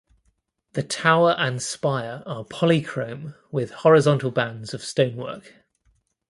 The tower and spire are polychrome with horizontal bands of stonework.